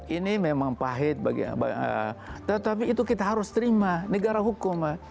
ini memang pahit tetapi itu kita harus terima negara hukum